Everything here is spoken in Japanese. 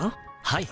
はい。